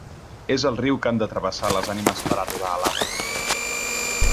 És el riu que han de travessar les ànimes per arribar a l'Hades.